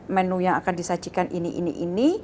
menu yang akan disajikan ini ini ini